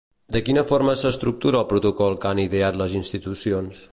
De quina forma s'estructura el protocol que han ideat les institucions?